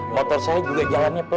motor saya juga jalannya pak